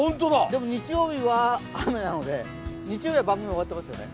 でも日曜日は、雨なので日曜日は番組終わってますよね？